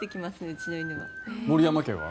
うちの犬は。